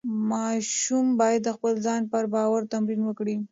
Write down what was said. ماشوم باید د خپل ځان پر باور تمرین وکړي.